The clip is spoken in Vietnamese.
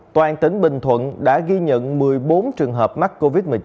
toàn tỉnh bình thuận đã ghi nhận một mươi bốn trường hợp mắc covid một mươi chín